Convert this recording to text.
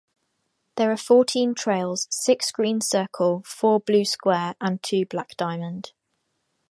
There are fourteen trails, six Green Circle, four Blue Square, and two Black Diamond.